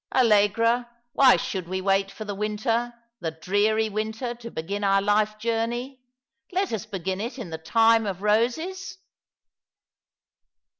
Allegra, why should we wait for the winter, the dreary winter, to begin our life journey ? Let us begin it in the time of roses."